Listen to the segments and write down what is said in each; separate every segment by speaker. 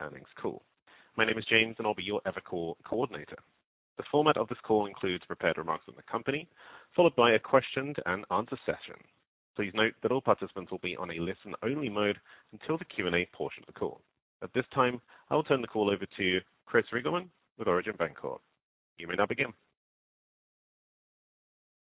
Speaker 1: Earnings call. My name is James, and I'll be your Evercore coordinator. The format of this call includes prepared remarks from the company, followed by a question-and-answer session. Please note that all participants will be on a listen-only mode until the Q&A portion of the call. At this time, I will turn the call over to Chris Riggleman with Origin Bancorp. You may now begin.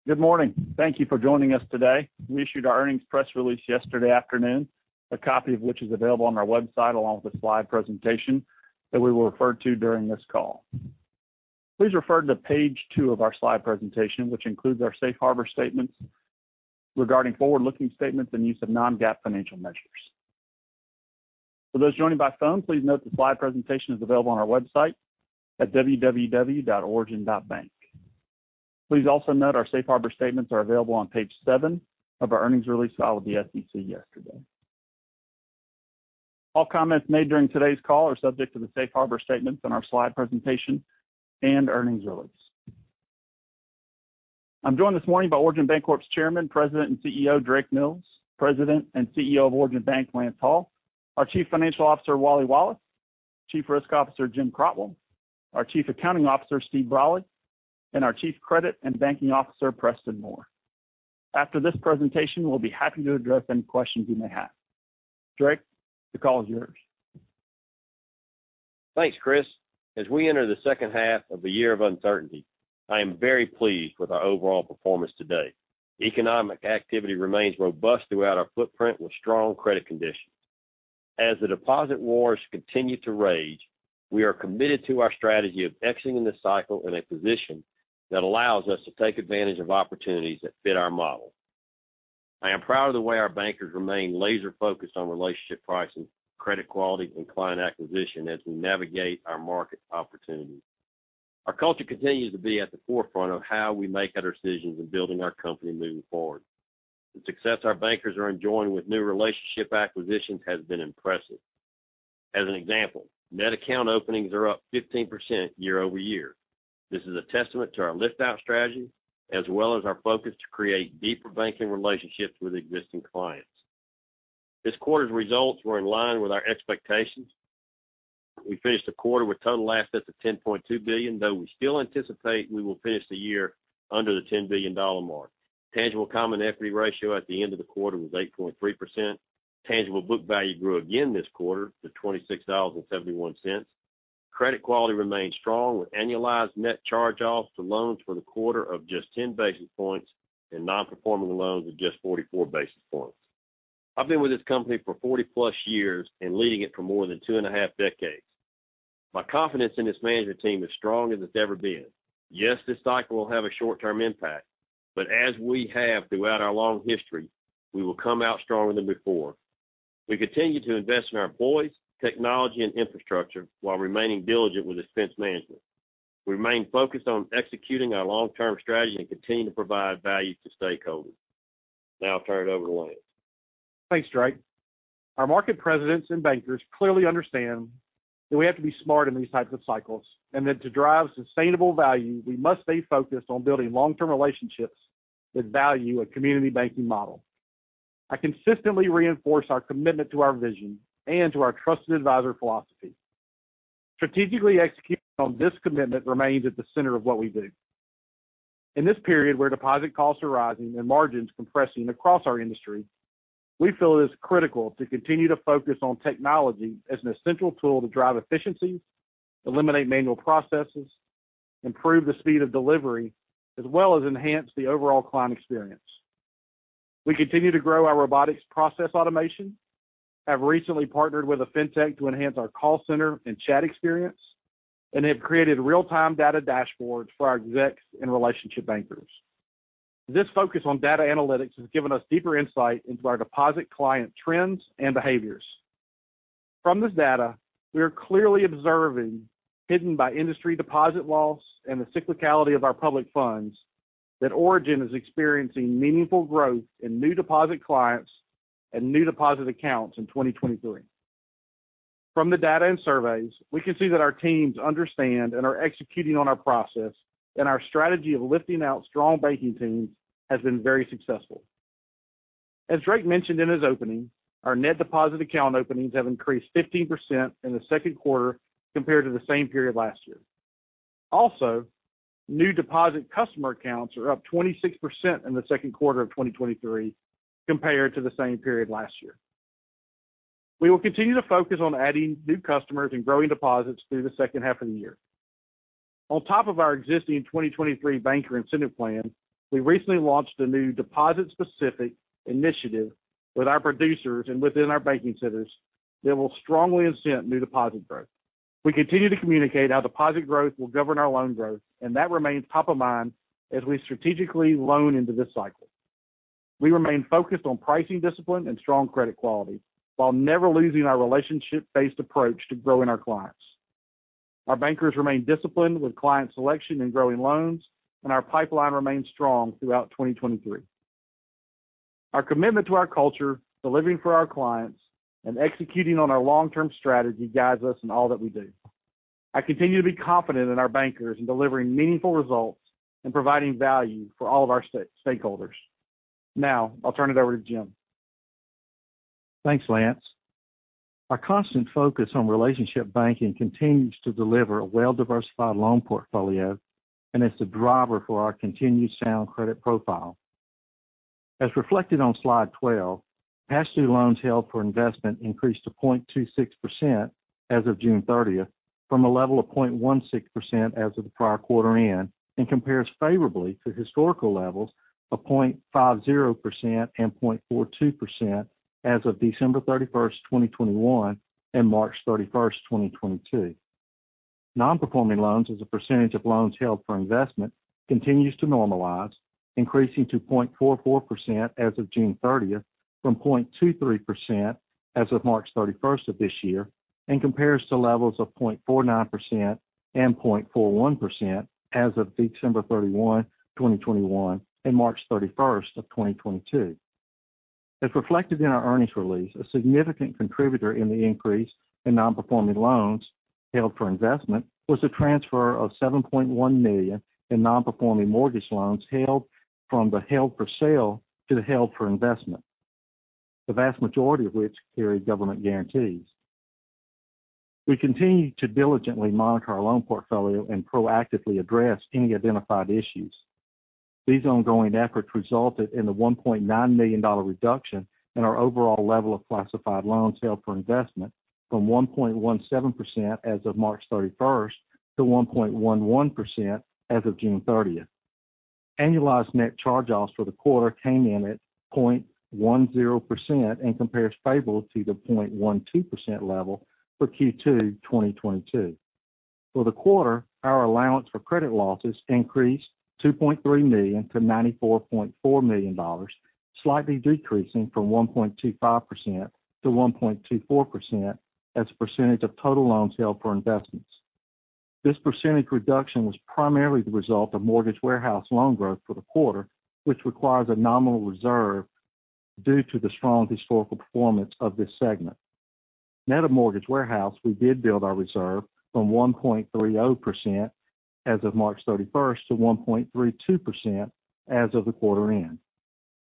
Speaker 2: Good morning. Thank you for joining us today. We issued our earnings press release yesterday afternoon, a copy of which is available on our website, along with a Slide presentation that we will refer to during this call. Please refer to Page 2 of our Slide presentation, which includes our safe harbor statements regarding forward-looking statements and use of non-GAAP financial measures. For those joining by phone, please note the Slide presentation is available on our website at www.origin.bank. Please also note our safe harbor statements are available on Page 7 of our earnings release filed with the SEC yesterday. All comments made during today's call are subject to the safe harbor statements on our Slide presentation and earnings release. I'm joined this morning by Origin Bancorp's Chairman, President, and CEO, Drake Mills, President and CEO of Origin Bank, Lance Hall, our Chief Financial Officer, Wally Wallace, Chief Risk Officer, Jim Crotwell, our Chief Accounting Officer, Stephen Brolly, and our Chief Credit and Banking Officer, Preston Moore. After this presentation, we'll be happy to address any questions you may have. Drake, the call is yours.
Speaker 3: Thanks, Chris. As we enter the second half of the year of uncertainty, I am very pleased with our overall performance today. Economic activity remains robust throughout our footprint, with strong credit conditions. As the deposit wars continue to rage, we are committed to our strategy of exiting this cycle in a position that allows us to take advantage of opportunities that fit our model. I am proud of the way our bankers remain laser-focused on relationship pricing, credit quality, and client acquisition as we navigate our market opportunities. Our culture continues to be at the forefront of how we make our decisions in building our company moving forward. The success our bankers are enjoying with new relationship acquisitions has been impressive. As an example, net account openings are up 15% year-over-year. This is a testament to our lift-out strategy, as well as our focus to create deeper banking relationships with existing clients. This quarter's results were in line with our expectations. We finished the quarter with total assets of $10.2 billion, though we still anticipate we will finish the year under the $10 billion mark. Tangible common equity ratio at the end of the quarter was 8.3%. Tangible book value grew again this quarter to $26.71. Credit quality remained strong, with annualized net charge-offs to loans for the quarter of just 10 basis points and nonperforming loans of just 44 basis points. I've been with this company for 40+ years and leading it for more than 2.5 decades. My confidence in this management team is strong as it's ever been. Yes, this cycle will have a short-term impact, but as we have throughout our long history, we will come out stronger than before. We continue to invest in our employees, technology, and infrastructure while remaining diligent with expense management. We remain focused on executing our long-term strategy and continue to provide value to stakeholders. Now I'll turn it over to Lance.
Speaker 4: Thanks, Drake. Our market presidents and bankers clearly understand that we have to be smart in these types of cycles, and that to drive sustainable value, we must stay focused on building long-term relationships that value a community banking model. I consistently reinforce our commitment to our vision and to our trusted advisor philosophy. Strategically executing on this commitment remains at the center of what we do. In this period, where deposit costs are rising and margins compressing across our industry, we feel it is critical to continue to focus on technology as an essential tool to drive efficiency, eliminate manual processes, improve the speed of delivery, as well as enhance the overall client experience. We continue to grow our Robotic Process Automation, have recently partnered with a FinTech to enhance our call center and chat experience, and have created real-time data dashboards for our execs and relationship bankers. This focus on data analytics has given us deeper insight into our deposit client trends and behaviors. From this data, we are clearly observing, hidden by industry deposit loss and the cyclicality of our public funds, that Origin is experiencing meaningful growth in new deposit clients and new deposit accounts in 2023. From the data and surveys, we can see that our teams understand and are executing on our process. Our strategy of lifting out strong banking teams has been very successful. As Drake mentioned in his opening, our net deposit account openings have increased 15% in the second quarter compared to the same period last year. New deposit customer accounts are up 26% in the second quarter of 2023 compared to the same period last year. We will continue to focus on adding new customers and growing deposits through the second half of the year. On top of our existing 2023 banker incentive plan, we recently launched a new deposit-specific initiative with our producers and within our banking centers that will strongly incent new deposit growth. We continue to communicate how deposit growth will govern our loan growth, and that remains top of mind as we strategically loan into this cycle. We remain focused on pricing discipline and strong credit quality while never losing our relationship-based approach to growing our clients. Our bankers remain disciplined with client selection and growing loans, and our pipeline remains strong throughout 2023. Our commitment to our culture, delivering for our clients, and executing on our long-term strategy guides us in all that we do. I continue to be confident in our bankers in delivering meaningful results and providing value for all of our stakeholders. Now, I'll turn it over to Jim.
Speaker 5: Thanks, Lance. Our constant focus on relationship banking continues to deliver a well-diversified loan portfolio. It's the driver for our continued sound credit profile. As reflected on Slide 12, past due loans held for investment increased to 0.26% as of June 30th, from a level of 0.16% as of the prior quarter end. It compares favorably to historical levels of 0.50% and 0.42% as of December 31st, 2021, and March 31st, 2022. Non-performing loans as a percentage of loans held for investment continues to normalize, increasing to 0.44% as of June 30th, from 0.23% as of March 31st of this year. It compares to levels of 0.49% and 0.41% as of December 31, 2021, and March 31st of 2022. As reflected in our earnings release, a significant contributor in the increase in nonperforming loans held for investment was a transfer of $7.1 million in nonperforming mortgage loans held from the held for sale to the held for investment, the vast majority of which carried government guarantees. We continue to diligently monitor our loan portfolio and proactively address any identified issues. These ongoing efforts resulted in the $1.9 million reduction in our overall level of classified loans held for investment from 1.17% as of March 31st to 1.11% as of June 30th. Annualized net charge-offs for the quarter came in at 0.10% and compares favorably to the 0.12% level for Q2 2022. For the quarter, our allowance for credit losses increased $2.3 million to $94.4 million, slightly decreasing from 1.25% to 1.24% as a percentage of total loans held for investment. This percentage reduction was primarily the result of mortgage warehouse loan growth for the quarter, which requires a nominal reserve due to the strong historical performance of this segment. Net of mortgage warehouse, we did build our reserve from 1.30% as of March 31st to 1.32% as of the quarter end.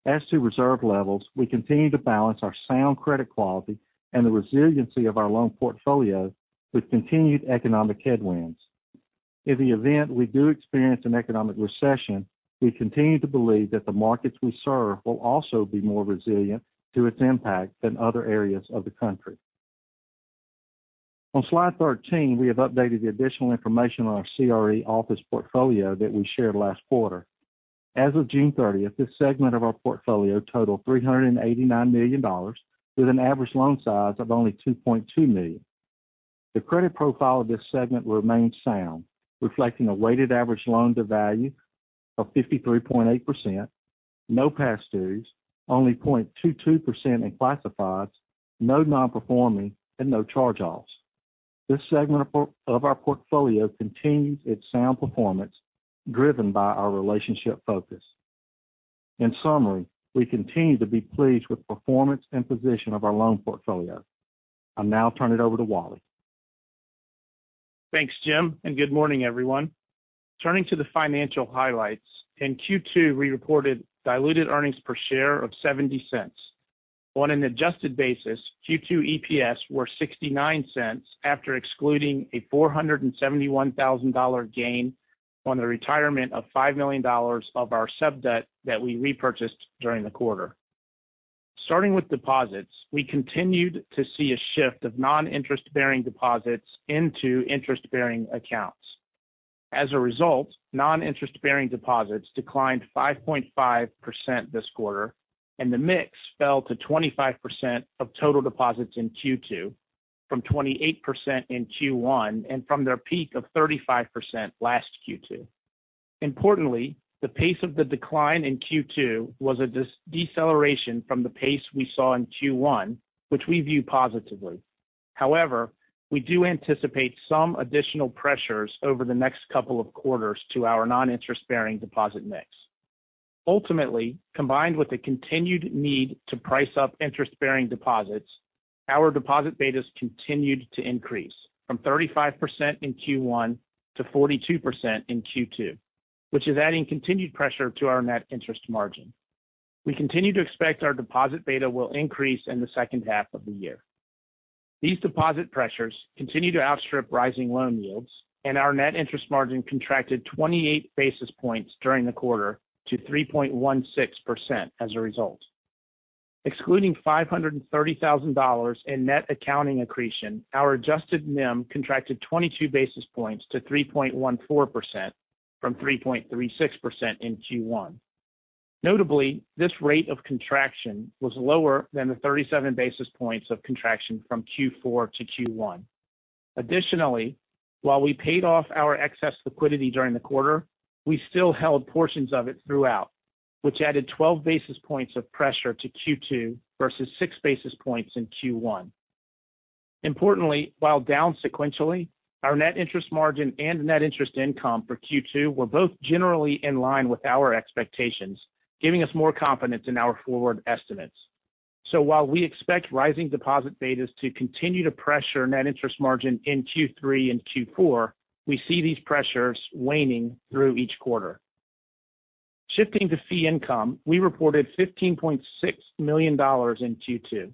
Speaker 5: As to reserve levels, we continue to balance our sound credit quality and the resiliency of our loan portfolio with continued economic headwinds. In the event we do experience an economic recession, we continue to believe that the markets we serve will also be more resilient to its impact than other areas of the country. On Slide 13, we have updated the additional information on our CRE office portfolio that we shared last quarter. As of June 30th, this segment of our portfolio totaled $389 million, with an average loan size of only $2.2 million. The credit profile of this segment remains sound, reflecting a weighted average loan-to-value of 53.8%, no past dues, only 0.22% in classifieds, no non-performing, and no charge-offs. This segment of our portfolio continues its sound performance, driven by our relationship focus. In summary, we continue to be pleased with performance and position of our loan portfolio. I'll now turn it over to Wally.
Speaker 6: Thanks, Jim. Good morning, everyone. Turning to the financial highlights, in Q2, we reported diluted earnings per share of $0.70. On an adjusted basis, Q2 EPS were $0.69 after excluding a $471,000 gain on the retirement of $5 million of our subdebt that we repurchased during the quarter. Starting with deposits, we continued to see a shift of non-interest-bearing deposits into interest-bearing accounts. As a result, non-interest-bearing deposits declined 5.5% this quarter, and the mix fell to 25% of total deposits in Q2, from 28% in Q1, and from their peak of 35% last Q2. Importantly, the pace of the decline in Q2 was a deceleration from the pace we saw in Q1, which we view positively. However, we do anticipate some additional pressures over the next couple of quarters to our non-interest-bearing deposit mix. Ultimately, combined with the continued need to price up interest-bearing deposits, our deposit betas continued to increase from 35% in Q1 to 42% in Q2, which is adding continued pressure to our net interest margin. We continue to expect our deposit beta will increase in the second half of the year. These deposit pressures continue to outstrip rising loan yields, and our net interest margin contracted 28 basis points during the quarter to 3.16% as a result. Excluding $530,000 in net accounting accretion, our adjusted NIM contracted 22 basis points to 3.14%, from 3.36% in Q1. Notably, this rate of contraction was lower than the 37 basis points of contraction from Q4 to Q1. Additionally, while we paid off our excess liquidity during the quarter, we still held portions of it throughout, which added 12 basis points of pressure to Q2 versus 6 basis points in Q1. Importantly, while down sequentially, our net interest margin and net interest income for Q2 were both generally in line with our expectations, giving us more confidence in our forward estimates. While we expect rising deposit betas to continue to pressure net interest margin in Q3 and Q4, we see these pressures waning through each quarter. Shifting to fee income, we reported $15.6 million in Q2.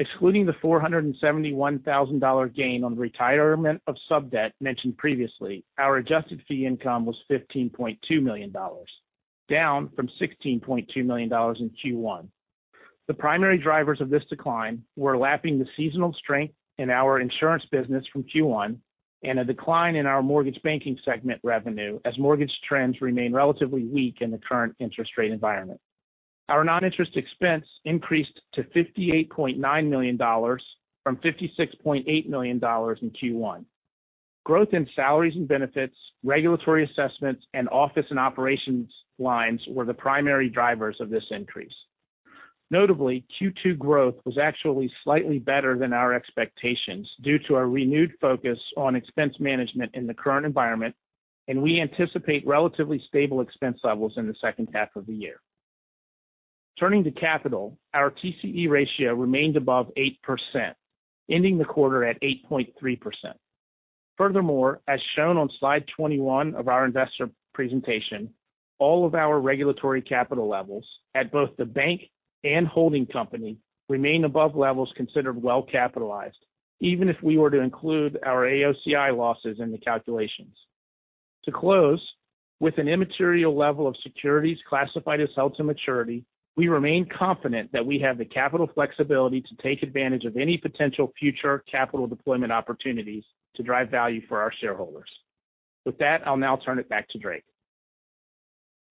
Speaker 6: Excluding the $471,000 gain on the retirement of subdebt mentioned previously, our adjusted fee income was $15.2 million, down from $16.2 million in Q1. The primary drivers of this decline were lapping the seasonal strength in our insurance business from Q1 and a decline in our mortgage banking segment revenue as mortgage trends remain relatively weak in the current interest rate environment. Our non-interest expense increased to $58.9 million from $56.8 million in Q1. Growth in salaries and benefits, regulatory assessments, and office and operations lines were the primary drivers of this increase. Notably, Q2 growth was actually slightly better than our expectations due to our renewed focus on expense management in the current environment, and we anticipate relatively stable expense levels in the second half of the year. Turning to capital, our TCE ratio remained above 8%, ending the quarter at 8.3%. Furthermore, as shown on Slide 21 of our investor presentation, all of our regulatory capital levels at both the bank and holding company remain above levels considered well capitalized, even if we were to include our AOCI losses in the calculations. To close, with an immaterial level of securities classified as held to maturity, we remain confident that we have the capital flexibility to take advantage of any potential future capital deployment opportunities to drive value for our shareholders. With that, I'll now turn it back to Drake.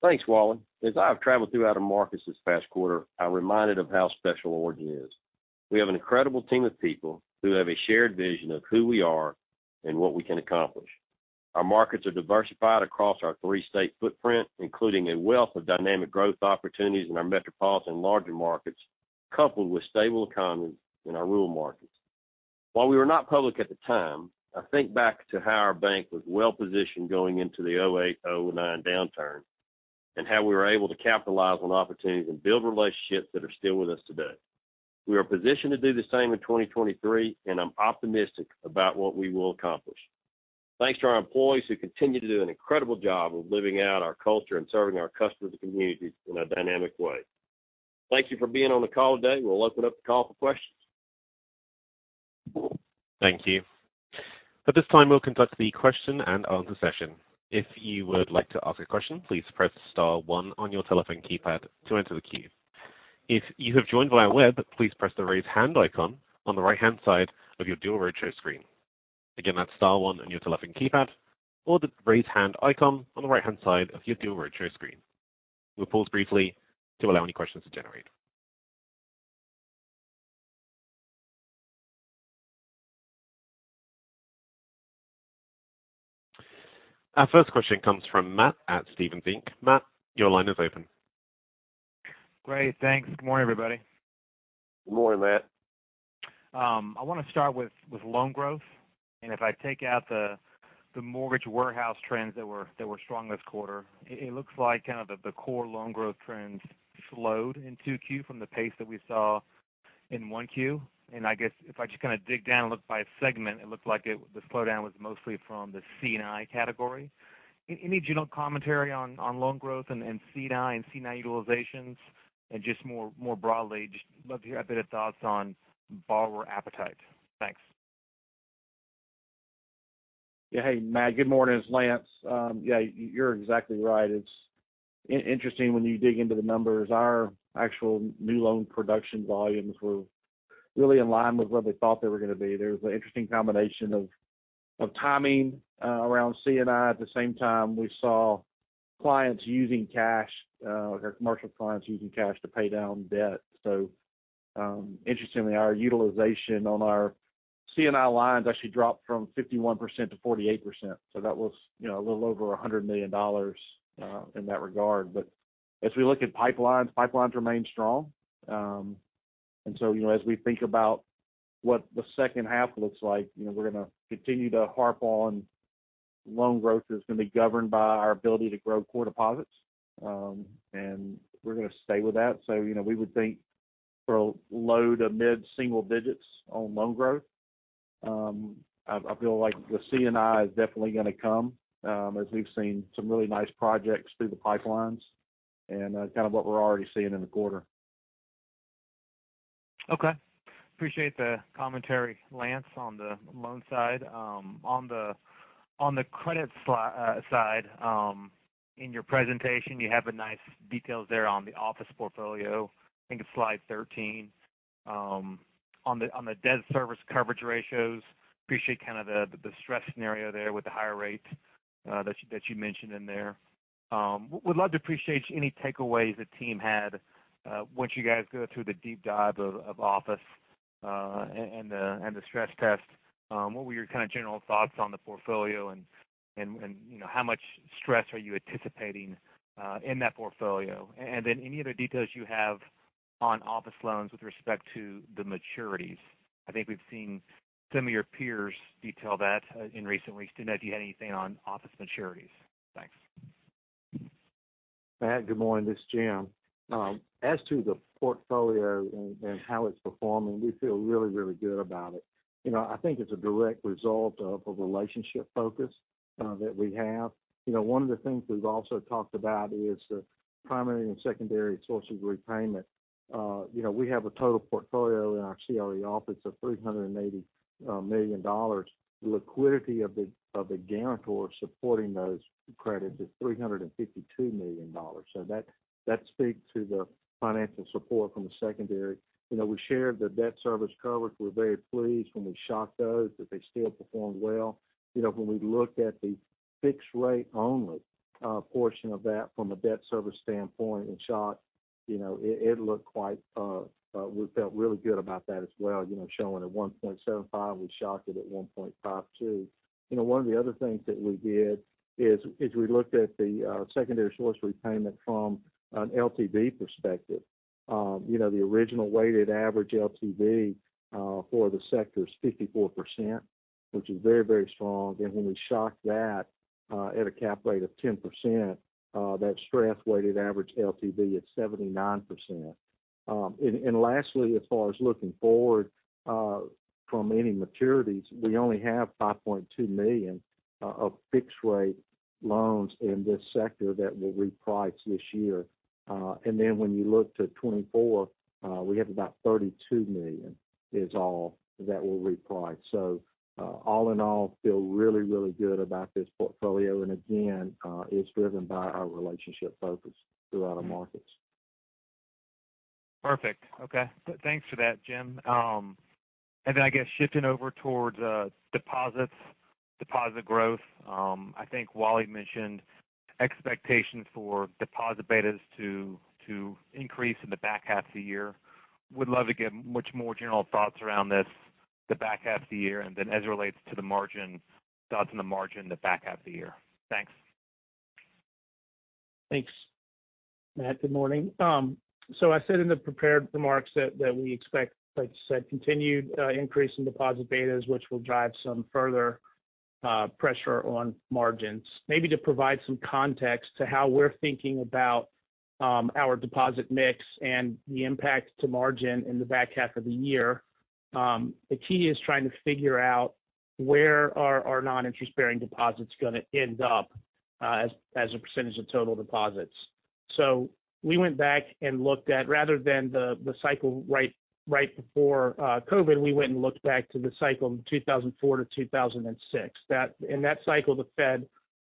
Speaker 3: Thanks, Wally. As I've traveled throughout our markets this past quarter, I'm reminded of how special Origin is. We have an incredible team of people who have a shared vision of who we are and what we can accomplish. Our markets are diversified across our three-state footprint, including a wealth of dynamic growth opportunities in our metropolitan and larger markets, coupled with stable economies in our rural markets. While we were not public at the time, I think back to how our bank was well positioned going into the 2008, 2009 downturn, and how we were able to capitalize on opportunities and build relationships that are still with us today. We are positioned to do the same in 2023, and I'm optimistic about what we will accomplish. Thanks to our employees who continue to do an incredible job of living out our culture and serving our customers and communities in a dynamic way. Thank you for being on the call today. We'll open up the call for questions.
Speaker 1: Thank you. At this time, we'll conduct the question and answer session. If you would like to ask a question, please press star one on your telephone keypad to enter the queue. If you have joined via web, please press the Raise Hand icon on the right-hand side of your Duo Roadshow screen. Again, that's star one on your telephone keypad or the Raise Hand icon on the right-hand side of your Duo Roadshow screen. We'll pause briefly to allow any questions to generate. Our first question comes from Matt at Stephens Inc. Matt, your line is open.
Speaker 7: Great. Thanks. Good morning, everybody.
Speaker 3: Good morning, Matt.
Speaker 7: I want to start with loan growth. If I take out the mortgage warehouse trends that were strong this quarter, it looks like kind of the core loan growth trends slowed in Q2 from the pace that we saw in Q1. I guess if I just kind of dig down and look by segment, it looks like the slowdown was mostly from the C&I category. Any general commentary on loan growth and C&I and C&I utilizations? Just more broadly, just love to hear a bit of thoughts on borrower appetite. Thanks.
Speaker 4: Hey, Matt, good morning. It's Lance. You're exactly right. It's interesting when you dig into the numbers. Our actual new loan production volumes were really in line with what we thought they were going to be. There was an interesting combination of timing around C&I. At the same time, we saw clients using cash or commercial clients using cash to pay down debt. Interestingly, our utilization on our C&I lines actually dropped from 51% to 48%. That was, you know, a little over $100 million in that regard. As we look at pipelines, pipelines remain strong. You know, as we think about what the second half looks like, you know, we're going to continue to harp on loan growth is going to be governed by our ability to grow core deposits, and we're going to stay with that. You know, we would think for a low to mid-single digits on loan growth. I feel like the C&I is definitely going to come, as we've seen some really nice projects through the pipelines and kind of what we're already seeing in the quarter.
Speaker 7: Okay. Appreciate the commentary, Lance, on the loan side. On the credit side, in your presentation, you have a nice details there on the office portfolio. I think it's Slide 13. On the debt service coverage ratios, appreciate kind of the stress scenario there with the higher rates, that you mentioned in there. Would love to appreciate any takeaways the team had, once you guys go through the deep dive of office, and the stress test. What were your kind of general thoughts on the portfolio and, you know, how much stress are you anticipating, in that portfolio? Then any other details you have on office loans with respect to the maturities. I think we've seen some of your peers detail that, in recent weeks. Didn't know if you had anything on office maturities. Thanks.
Speaker 5: Matt, good morning, this is Jim. As to the portfolio and how it's performing, we feel really, really good about it. You know, I think it's a direct result of a relationship focus that we have. You know, one of the things we've also talked about is the primary and secondary sources of repayment. You know, we have a total portfolio in our CLO office of $380 million. Liquidity of the guarantor supporting those credits is $352 million. That speaks to the financial support from the secondary. You know, we shared the debt service coverage. We're very pleased when we shocked those, that they still performed well. You know, when we looked at the fixed rate only portion of that from a debt service standpoint and shocked, you know, it looked quite, we felt really good about that as well, you know, showing at 1.75, we shocked it at 1.52. You know, one of the other things that we did is, is we looked at the secondary source repayment from an LTV perspective. You know, the original weighted average LTV for the sector is 54%, which is very, very strong. When we shocked that at a cap rate of 10%, that strength weighted average LTV at 79%. Lastly, as far as looking forward, from any maturities, we only have $5.2 million of fixed rate loans in this sector that will reprice this year. When you look to 2024, we have about $32 million is all that will reprice. All in all, feel really, really good about this portfolio. Again, it's driven by our relationship focus throughout our markets.
Speaker 7: Perfect. Okay, thanks for that, Jim. I guess shifting over towards deposits, deposit growth. I think Wally mentioned expectations for deposit betas to increase in the back half of the year. Would love to get much more general thoughts around this, the back half of the year, and then as it relates to the margin, thoughts on the margin the back half of the year. Thanks.
Speaker 6: Thanks. Matt, good morning. I said in the prepared remarks that we expect, like you said, continued increase in deposit betas, which will drive some further pressure on margins. Maybe to provide some context to how we're thinking about our deposit mix and the impact to margin in the back half of the year. The key is trying to figure out where are our non-interest-bearing deposits gonna end up as a % of total deposits. We went back and looked at rather than the cycle right before COVID, we went and looked back to the cycle in 2004 to 2006. In that cycle, the Fed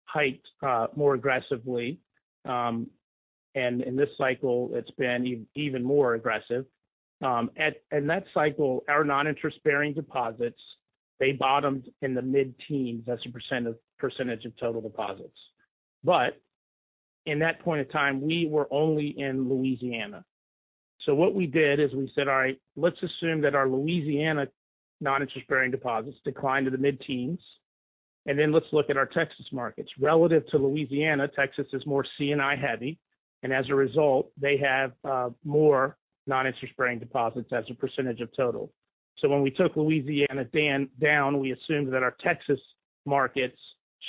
Speaker 6: hiked more aggressively, and in this cycle it's been even more aggressive. In that cycle, our non-interest-bearing deposits, they bottomed in the mid-teens as a percentage of total deposits. In that point in time, we were only in Louisiana. What we did is we said, "All right, let's assume that our Louisiana non-interest-bearing deposits declined to the mid-teens, and then let's look at our Texas markets." Relative to Louisiana, Texas is more C&I heavy, and as a result, they have more non-interest-bearing deposits as a percentage of total. When we took Louisiana down, we assumed that our Texas markets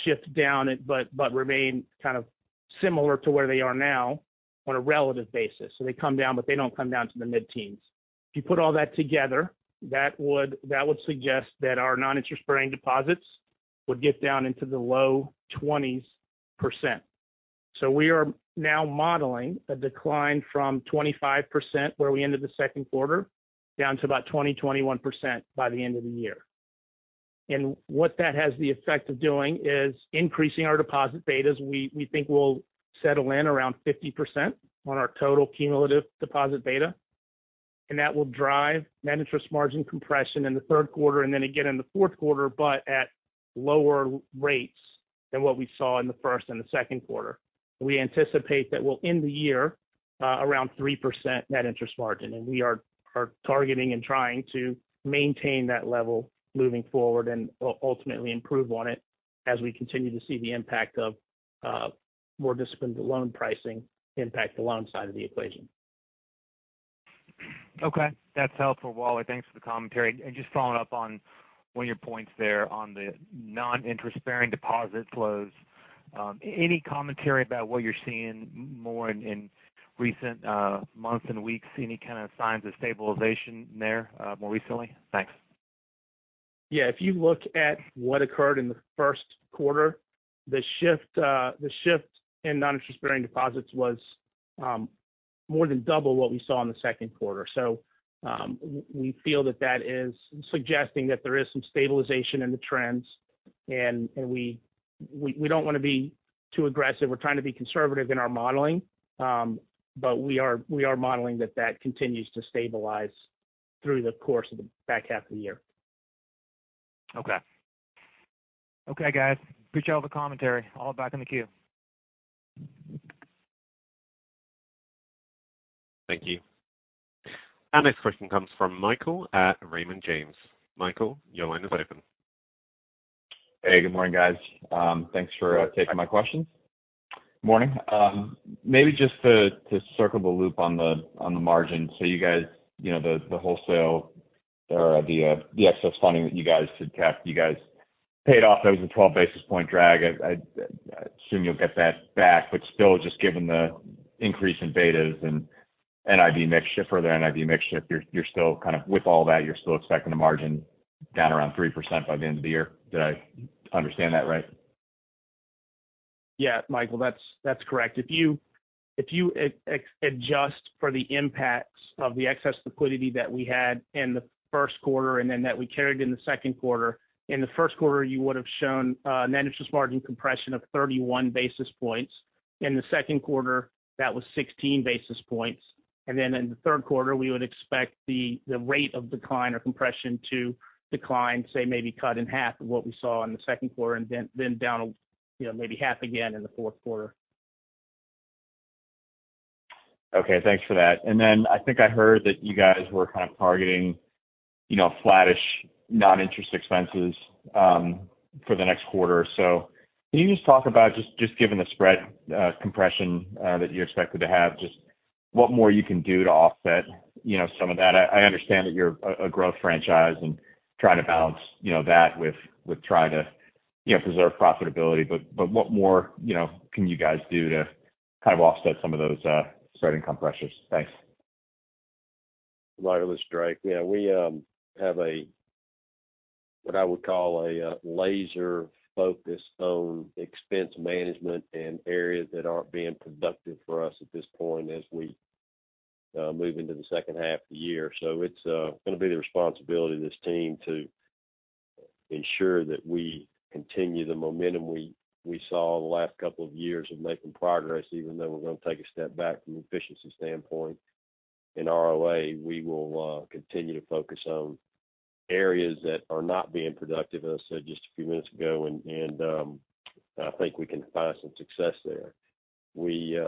Speaker 6: shift down it, but remain kind of similar to where they are now on a relative basis. They come down, but they don't come down to the mid-teens. If you put all that together, that would suggest that our non-interest-bearing deposits would get down into the low 20s%. We are now modeling a decline from 25%, where we ended the second quarter, down to about 20%-21% by the end of the year. What that has the effect of doing is increasing our deposit betas. We think we'll settle in around 50% on our total cumulative deposit beta, and that will drive net interest margin compression in the third quarter and again in the fourth quarter, but at lower rates than what we saw in the first and the second quarter. We anticipate that we'll end the year around 3% net interest margin, and we are targeting and trying to maintain that level moving forward and ultimately improve on it as we continue to see the impact of more disciplined loan pricing impact the loan side of the equation.
Speaker 7: Okay, that's helpful, Wally. Thanks for the commentary. Just following up on one of your points there on the non-interest-bearing deposit flows. Any commentary about what you're seeing more in, in recent months and weeks, any kind of signs of stabilization there, more recently? Thanks.
Speaker 6: Yeah. If you look at what occurred in the 1st quarter, the shift in non-interest-bearing deposits was more than double what we saw in the 2nd quarter. We feel that that is suggesting that there is some stabilization in the trends, and we don't want to be too aggressive. We're trying to be conservative in our modeling. We are modeling that, that continues to stabilize through the course of the back half of the year.
Speaker 7: Okay. Okay, guys, appreciate all the commentary. I'll hop back in the queue.
Speaker 1: Thank you. Our next question comes from Michael at Raymond James. Michael, your line is open.
Speaker 8: Hey, good morning, guys. Thanks for taking my questions.
Speaker 6: Morning.
Speaker 8: Maybe just to circle the loop on the margin. You guys, the wholesale or the excess funding that you guys should cap. paid off, that was a 12 basis point drag. I assume you'll get that back. Still, just given the increase in betas and NIB mix shift, further NIB mix shift, you're still kind of, with all that, you're still expecting the margin down around 3% by the end of the year. Did I understand that right?
Speaker 6: Yeah, Michael, that's correct. If you adjust for the impacts of the excess liquidity that we had in the first quarter and then that we carried in the second quarter, in the first quarter, you would have shown net interest margin compression of 31 basis points. In the second quarter, that was 16 basis points. In the third quarter, we would expect the rate of decline or compression to decline, say, maybe cut in half of what we saw in the second quarter and then down, you know, maybe half again in the fourth quarter.
Speaker 8: Okay, thanks for that. Then I think I heard that you guys were kind of targeting, you know, flattish, non-interest expenses for the next quarter. Can you just talk about just given the spread compression that you expected to have, just what more you can do to offset, you know, some of that? I understand that you're a growth franchise and trying to balance, you know, that with trying to, you know, preserve profitability. What more, you know, can you guys do to kind of offset some of those spread income pressures? Thanks.
Speaker 3: Michael, it's Drake. Yeah, we have a, what I would call a laser focus on expense management and areas that aren't being productive for us at this point as we move into the second half of the year. It's going to be the responsibility of this team to ensure that we continue the momentum we saw over the last couple of years of making progress, even though we're going to take a step back from an efficiency standpoint. In ROA, we will continue to focus on areas that are not being productive, as I said just a few minutes ago, and I think we can find some success there. We,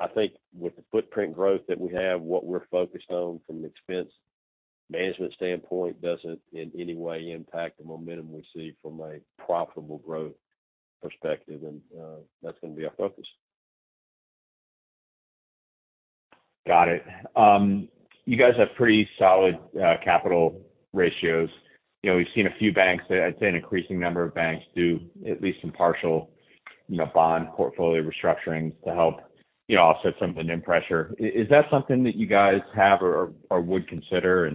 Speaker 3: I think with the footprint growth that we have, what we're focused on from an expense management standpoint doesn't in any way impact the momentum we see from a profitable growth perspective, and that's going to be our focus.
Speaker 8: Got it. You guys have pretty solid capital ratios. You know, we've seen a few banks, I'd say an increasing number of banks do at least some partial, you know, bond portfolio restructurings to help, you know, offset some of the NIM pressure. Is that something that you guys have or would consider?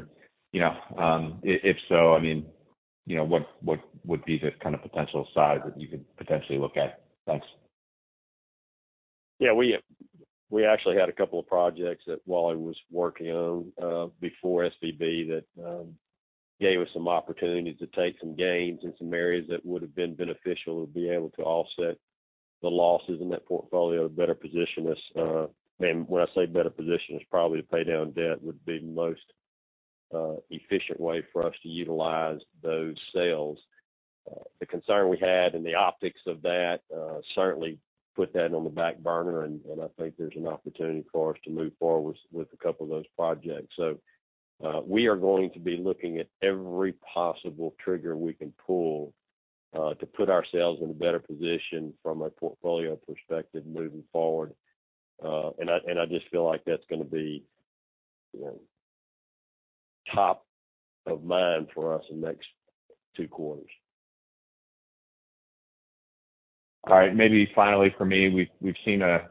Speaker 8: You know, if so, I mean, you know, what, what would be the kind of potential size that you could potentially look at? Thanks.
Speaker 3: We actually had a couple of projects that Wally was working on before SVB, that gave us some opportunities to take some gains in some areas that would have been beneficial to be able to offset the losses in that portfolio to better position us. When I say better position us, probably to pay down debt would be the most efficient way for us to utilize those sales. The concern we had and the optics of that certainly put that on the back burner, and I think there's an opportunity for us to move forward with a couple of those projects. We are going to be looking at every possible trigger we can pull to put ourselves in a better position from a portfolio perspective moving forward. I just feel like that's going to be, you know, top of mind for us in the next two quarters.
Speaker 8: All right. Maybe finally, for me, we've seen an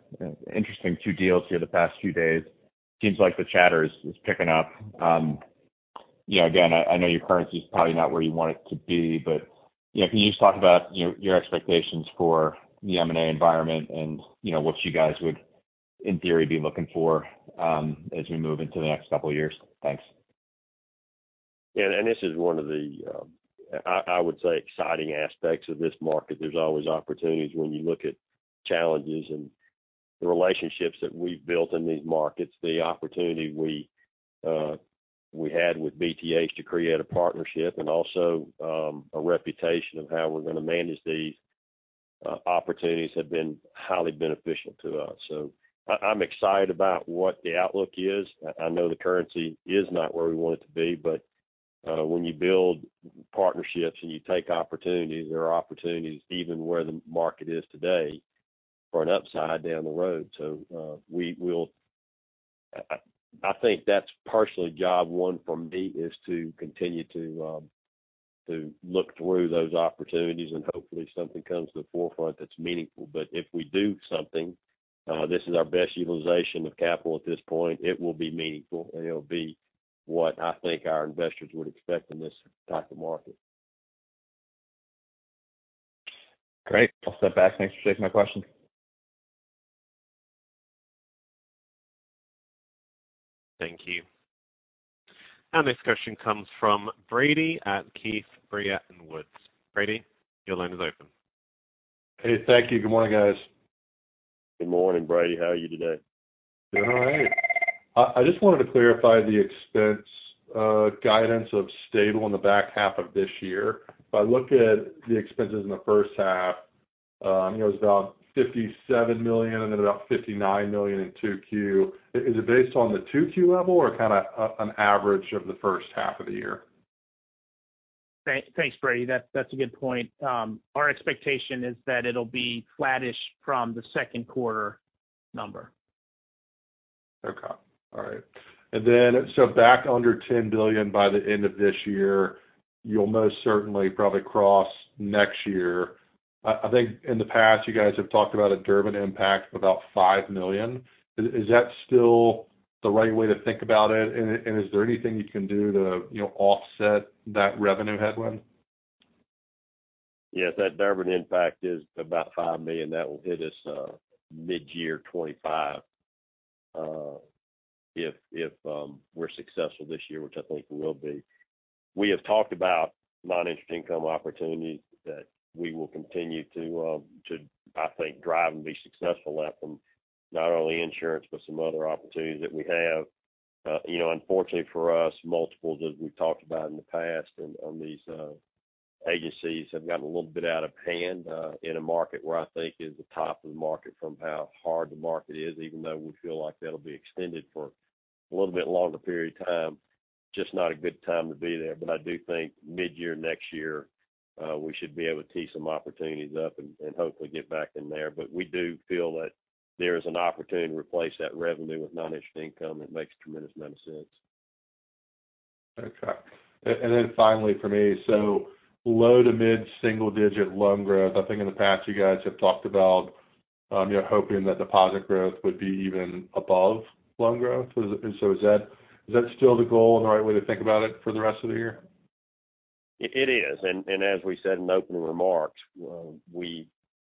Speaker 8: interesting two deals here the past few days. Seems like the chatter is picking up. you know, again, I know your currency is probably not where you want it to be, but you know, can you just talk about your expectations for the M&A environment and, you know, what you guys would, in theory, be looking for as we move into the next couple of years? Thanks.
Speaker 3: This is one of the, I would say, exciting aspects of this market. There's always opportunities when you look at challenges and the relationships that we've built in these markets. The opportunity we had with BTH to create a partnership and also a reputation of how we're going to manage these opportunities have been highly beneficial to us. I'm excited about what the outlook is. I know the currency is not where we want it to be, but when you build partnerships and you take opportunities, there are opportunities, even where the market is today, for an upside down the road. I think that's partially job one for me, is to continue to look through those opportunities and hopefully something comes to the forefront that's meaningful. If we do something, this is our best utilization of capital at this point, it will be meaningful, and it'll be what I think our investors would expect in this type of market.
Speaker 8: Great. I'll step back. Thanks for taking my question.
Speaker 1: Thank you. Our next question comes from Brady at Keefe, Bruyette & Woods. Brady, your line is open.
Speaker 9: Hey, thank you. Good morning, guys.
Speaker 3: Good morning, Brady. How are you today?
Speaker 6: Doing all right. I just wanted to clarify the expense guidance of stable in the back half of this year. If I look at the expenses in the first half, it was about $57 million and then about $59 million in 2Q. Is it based on the 2Q level or kind of an average of the first half of the year? Thanks, Brady. That's a good point. Our expectation is that it'll be flattish from the second quarter number.
Speaker 9: Okay. All right. Then, so back under 10 billion by the end of this year, you'll most certainly probably cross next year. I think in the past, you guys have talked about a Durbin impact of about $5 million. Is that still the right way to think about it? Is there anything you can do to, you know, offset that revenue headwind?
Speaker 3: Yes, that Durbin impact is about $5 million. That will hit us mid-year 2025, if we're successful this year, which I think we will be. We have talked about non-interest income opportunities that we will continue to, I think, drive and be successful at them. Not only insurance, but some other opportunities that we have. You know, unfortunately for us, multiples, as we've talked about in the past, and on these agencies, have gotten a little bit out of hand in a market where I think is the top of the market from how hard the market is, even though we feel like that'll be extended for a little bit longer period of time. Just not a good time to be there. I do think mid-year next year, we should be able to tee some opportunities up and hopefully get back in there. We do feel that there is an opportunity to replace that revenue with non-interest income. It makes a tremendous amount of sense.
Speaker 9: Okay. Then finally for me, low to mid-single digit loan growth. I think in the past, you guys have talked about, you're hoping that deposit growth would be even above loan growth. Is that still the goal and the right way to think about it for the rest of the year?
Speaker 3: It is. As we said in opening remarks,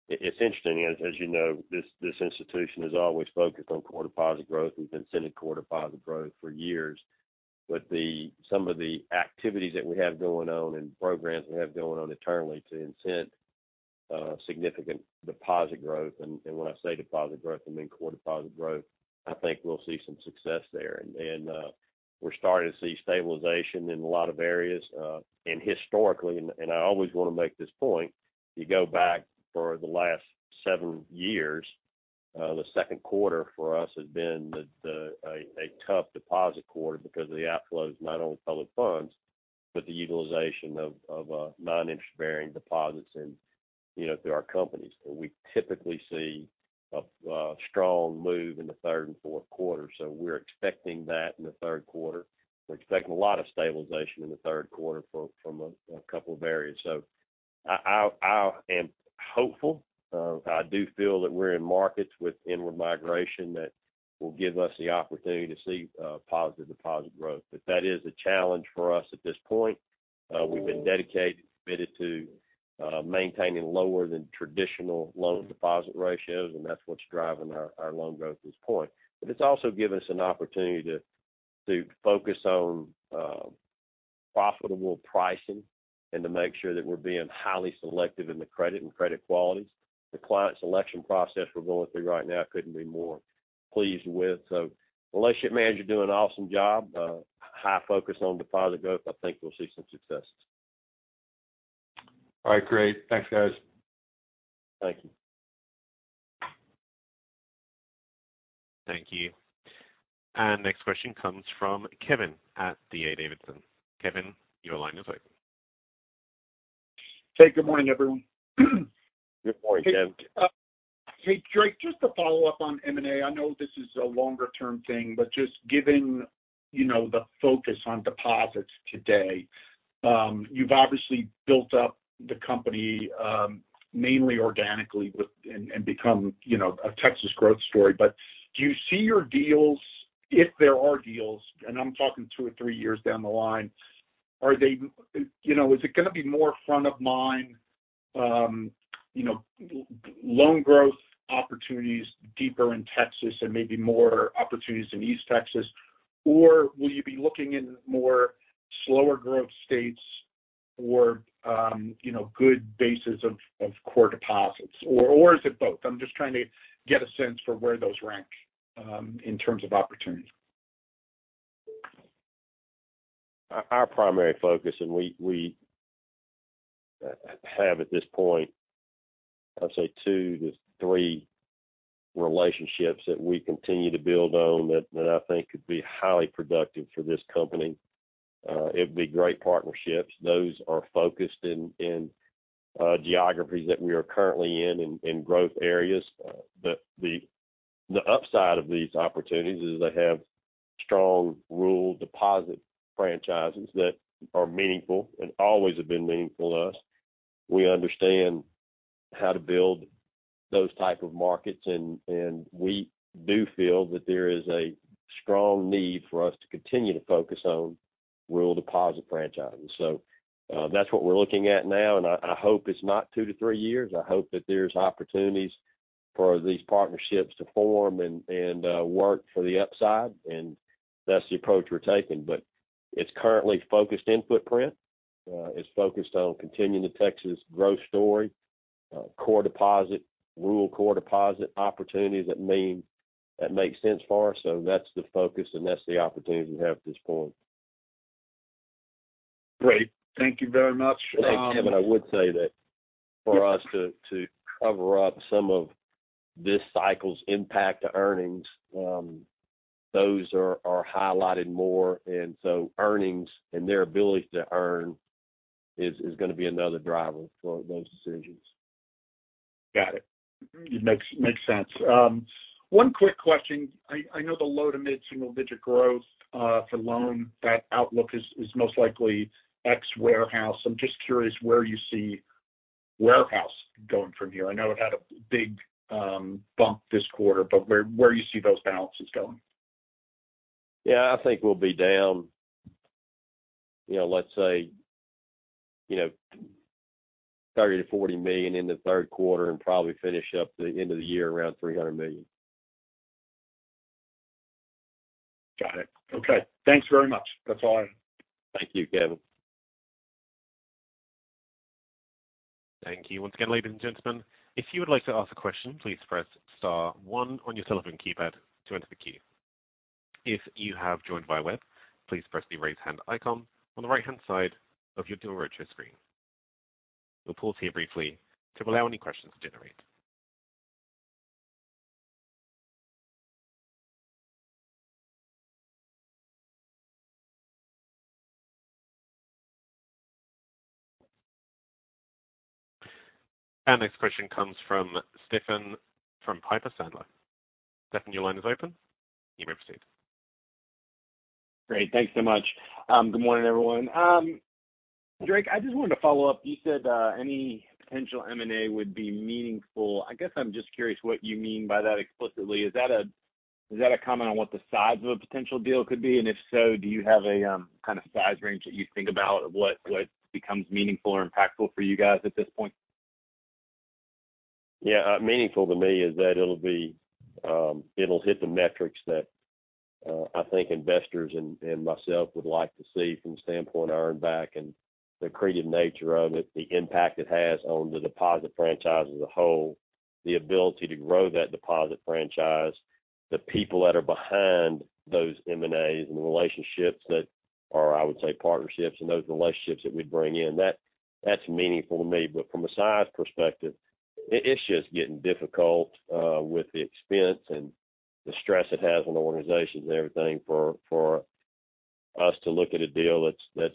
Speaker 3: it's interesting, as you know, this institution has always focused on core deposit growth. We've been sending core deposit growth for years. Some of the activities that we have going on and programs we have going on internally to incent significant deposit growth, and when I say deposit growth, I mean core deposit growth, I think we'll see some success there. We're starting to see stabilization in a lot of areas. Historically, I always want to make this point, you go back for the last seven years, the second quarter for us has been a tough deposit quarter because of the outflows, not only public funds, but the utilization of non-interest-bearing deposits and, you know, through our companies. We typically see a strong move in the third and fourth quarter, we're expecting that in the third quarter. We're expecting a lot of stabilization in the third quarter from a couple of areas. I am hopeful. I do feel that we're in markets with inward migration that will give us the opportunity to see positive deposit growth. That is a challenge for us at this point. We've been dedicated, committed to maintaining lower than traditional loan deposit ratios. That's what's driving our loan growth at this point. It's also given us an opportunity to focus on profitable pricing and to make sure that we're being highly selective in the credit and credit qualities. The client selection process we're going through right now couldn't be more pleased with. Relationship managers are doing an awesome job, high focus on deposit growth. I think we'll see some success.
Speaker 9: All right, great. Thanks, guys.
Speaker 3: Thank you.
Speaker 1: Thank you. Next question comes from Kevin at D.A. Davidson. Kevin, your line is open.
Speaker 10: Hey, good morning, everyone.
Speaker 3: Good morning, Kevin.
Speaker 10: Hey, hey, Drake, just to follow up on M&A. I know this is a longer-term thing, but just given, you know, the focus on deposits today, you've obviously built up the company mainly organically with... and become, you know, a Texas growth story. Do you see your deals, if there are deals, and I'm talking 2 or 3 years down the line, are they, you know, is it gonna be more front of mind, you know, loan growth opportunities deeper in Texas and maybe more opportunities in East Texas? Or will you be looking in more slower growth states or, you know, good bases of core deposits, or is it both? I'm just trying to get a sense for where those rank in terms of opportunity.
Speaker 3: Our primary focus. We have at this point, I'd say 2 to 3 relationships that we continue to build on, that I think could be highly productive for this company. It'd be great partnerships. Those are focused in geographies that we are currently in, in growth areas. The upside of these opportunities is they have strong rural deposit franchises that are meaningful and always have been meaningful to us. We understand how to build those type of markets, and we do feel that there is a strong need for us to continue to focus on rural deposit franchises. That's what we're looking at now, and I hope it's not 2 to 3 years. I hope that there's opportunities for these partnerships to form and, and work for the upside, and that's the approach we're taking. It's currently focused in footprint. It's focused on continuing the Texas growth story, core deposit, rural core deposit opportunities that make sense for us. That's the focus, and that's the opportunity we have at this point.
Speaker 10: Great. Thank you very much.
Speaker 3: Hey, Kevin, I would say that for us to cover up some of this cycle's impact to earnings, those are highlighted more, earnings and their ability to earn is gonna be another driver for those decisions.
Speaker 10: Got it. It makes sense. One quick question. I know the low to mid-single-digit growth for loan, that outlook is most likely ex-warehouse. I'm just curious where you see warehouse going from here. I know it had a big bump this quarter, but where do you see those balances going?
Speaker 3: Yeah, I think we'll be down, you know, let's say, you know, $30 million-$40 million in the third quarter and probably finish up the end of the year around $300 million.
Speaker 10: Got it. Okay, thanks very much. That's all I have.
Speaker 3: Thank you, Kevin.
Speaker 1: Thank you once again, ladies and gentlemen. If you would like to ask a question, please press star one on your telephone keypad to enter the queue. If you have joined via web, please press the Raise Hand icon on the right-hand side of your DealRoadshow screen. We'll pause here briefly to allow any questions to generate. Our next question comes from Stephen, from Piper Sandler. Stephen, your line is open. You may proceed.
Speaker 11: Great, thanks so much. Good morning, everyone. Drake, I just wanted to follow up. You said, any potential M&A would be meaningful. I guess I'm just curious what you mean by that explicitly. Is that a, is that a comment on what the size of a potential deal could be? If so, do you have a, kind of size range that you think about of what, what becomes meaningful or impactful for you guys at this point?
Speaker 3: Yeah, meaningful to me is that it'll be, it'll hit the metrics that I think investors and myself would like to see from the standpoint of earn back and the accretive nature of it, the impact it has on the deposit franchise as a whole, the ability to grow that deposit franchise, the people that are behind those M&As and the relationships that are, I would say, partnerships and those relationships that we bring in. That's meaningful to me. From a size perspective, it's just getting difficult, with the expense and the stress it has on organizations and everything for us to look at a deal that's,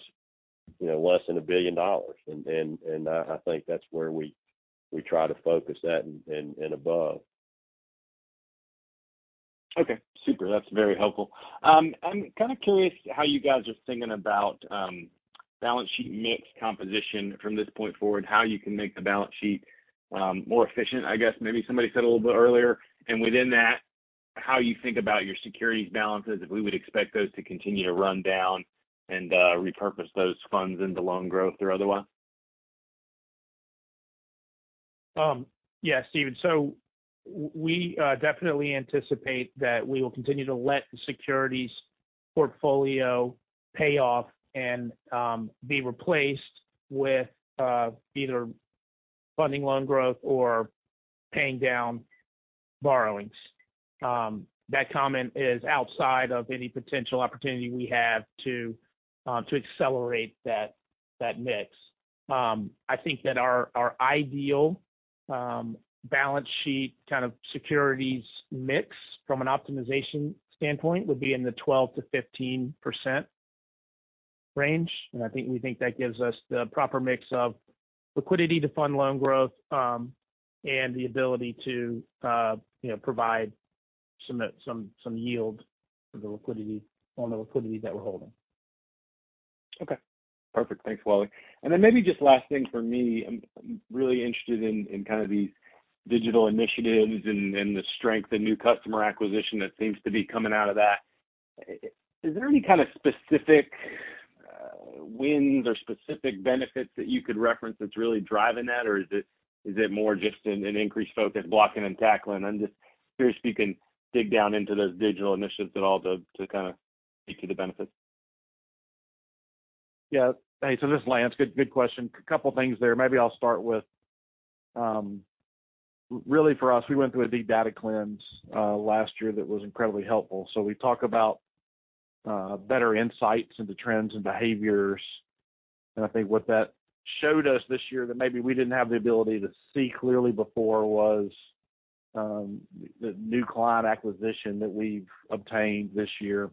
Speaker 3: you know, less than $1 billion. I think that's where we try to focus that and above.
Speaker 11: Okay, super. That's very helpful. I'm kind of curious how you guys are thinking about balance sheet mix composition from this point forward, how you can make the balance sheet more efficient, I guess maybe somebody said a little bit earlier. Within that, how you think about your securities balances, if we would expect those to continue to run down and repurpose those funds into loan growth or otherwise?
Speaker 6: Yeah, Stephen. We definitely anticipate that we will continue to let the securities portfolio pay off and be replaced with either funding loan growth or paying down borrowings. That comment is outside of any potential opportunity we have to accelerate that mix. I think that our, our ideal balance sheet kind of securities mix from an optimization standpoint would be in the 12%-15% range. I think we think that gives us the proper mix of liquidity to fund loan growth, and the ability to, you know, provide some yield for the liquidity on the liquidity that we're holding.
Speaker 11: Okay, perfect. Thanks, Wally. Then maybe just last thing for me, I'm really interested in, in kind of these digital initiatives and, and the strength and new customer acquisition that seems to be coming out of that. Is there any kind of specific wins or specific benefits that you could reference that's really driving that, or is it more just an increased focus, blocking and tackling? I'm just curious if you can dig down into those digital initiatives at all to kind of speak to the benefits.
Speaker 3: Yeah. Hey, so this is Lance. Good, good question. A couple of things there. Maybe I'll start with, really for us, we went through a deep data cleanse last year that was incredibly helpful. We talk about better insights into trends and behaviors, and I think what that showed us this year, that maybe we didn't have the ability to see clearly before, was the new client acquisition that we've obtained this year.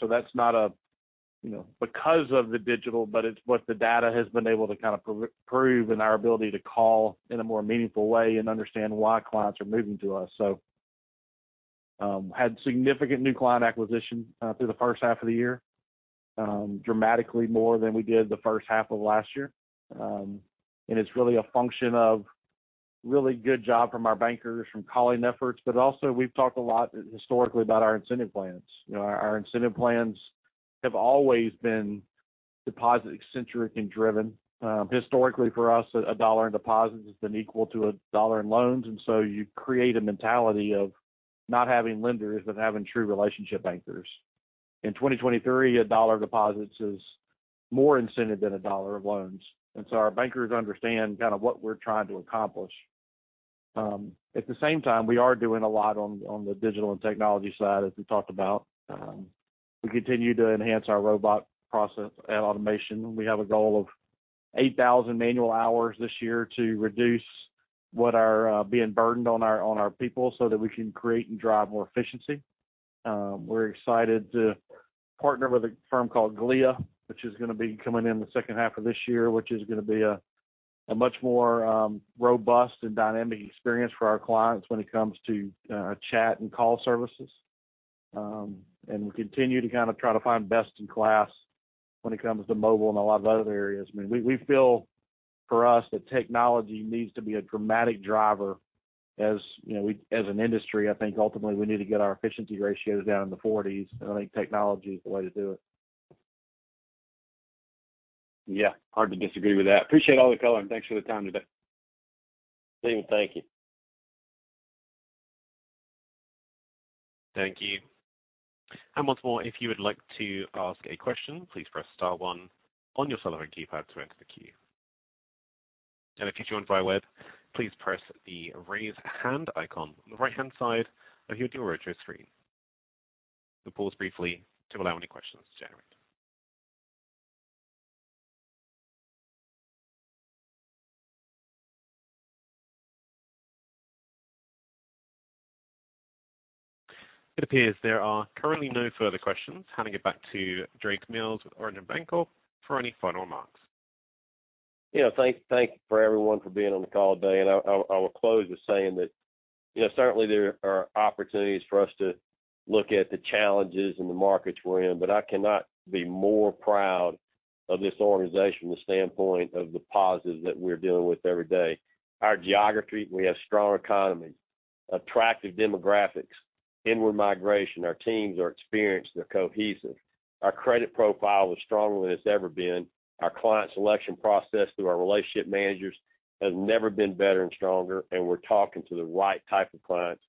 Speaker 3: That's not a, you know, because of the digital, but it's what the data has been able to kind of prove in our ability to call in a more meaningful way and understand why clients are moving to us. Had significant new client acquisition through the first half of the year, dramatically more than we did the first half of last year. It's really a function of really good job from our bankers from calling efforts, but also we've talked a lot historically about our incentive plans. You know, our incentive plans have always been deposit-centric and driven. Historically, for us, $1 in deposits has been equal to $1 in loans. You create a mentality of not having lenders, but having true relationship bankers. In 2023, $1 deposits is more incentive than $1 of loans. Our bankers understand kind of what we're trying to accomplish. At the same time, we are doing a lot on the digital and technology side, as we talked about. We continue to enhance our Robotic Process Automation. We have a goal of 8,000 manual hours this year to reduce what are being burdened on our people so that we can create and drive more efficiency. We're excited partnered with a firm called Glia, which is gonna be coming in the second half of this year, which is gonna be a much more robust and dynamic experience for our clients when it comes to chat and call services. We continue to kind of try to find best in class when it comes to mobile and a lot of other areas. I mean, we, we feel for us that technology needs to be a dramatic driver. As, you know, as an industry, I think ultimately we need to get our efficiency ratios down in the 40s, and I think technology is the way to do it.
Speaker 11: Yeah, hard to disagree with that. Appreciate all the color. Thanks for the time today.
Speaker 3: Thank you.
Speaker 1: Thank you. Once more, if you would like to ask a question, please press star one on your cellular keypad to enter the queue. If you join via web, please press the Raise Hand icon on the right-hand side of your Duo screen. We'll pause briefly to allow any questions to generate. It appears there are currently no further questions. Handing it back to Drake Mills with Origin Bancorp, Inc. for any final remarks.
Speaker 3: Yeah. Thank you for everyone for being on the call today. I will close with saying that, you know, certainly there are opportunities for us to look at the challenges and the markets we're in, I cannot be more proud of this organization from the standpoint of the positives that we're dealing with every day. Our geography, we have strong economies, attractive demographics, inward migration. Our teams are experienced, they're cohesive. Our credit profile is stronger than it's ever been. Our client selection process through our relationship managers has never been better and stronger, we're talking to the right type of clients.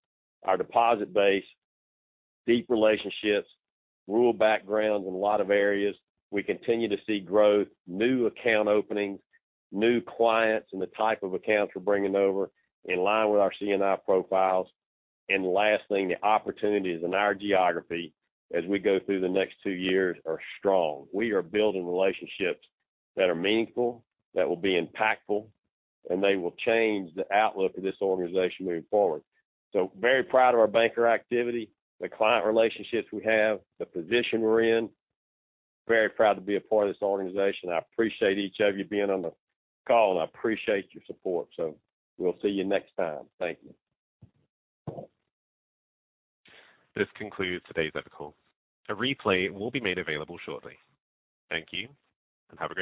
Speaker 3: Our deposit base, deep relationships, rural backgrounds in a lot of areas. We continue to see growth, new account openings, new clients, the type of accounts we're bringing over in line with our C&I profiles. Lastly, the opportunities in our geography as we go through the next two years are strong. We are building relationships that are meaningful, that will be impactful, and they will change the outlook of this organization moving forward. Very proud of our banker activity, the client relationships we have, the position we're in. Very proud to be a part of this organization. I appreciate each of you being on the call, and I appreciate your support. We'll see you next time. Thank you.
Speaker 1: This concludes today's call. A replay will be made available shortly. Thank you, and have a great day.